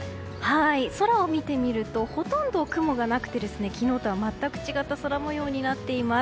空を見てみるとほとんど雲がなくて昨日とは全く違った空模様になっています。